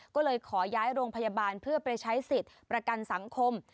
ก็เลยขอย้ายโรงพยาบาลเพื่อไปใช้สิทธิ์ประกันสังคม